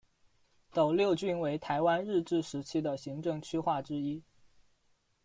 斗六郡为台湾日治时期的行政区划之一。